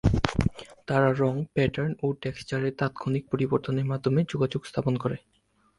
তারা রঙ, প্যাটার্ন ও টেক্সচারের তাত্ক্ষণিক পরিবর্তনের মাধ্যমে যোগাযোগ স্থাপন করে।